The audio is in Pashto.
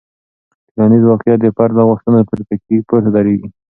ټولنیز واقیعت د فرد له غوښتنو پورته دریږي.